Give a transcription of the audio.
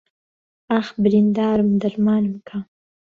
ئاخ بریندارم دەرمانم کە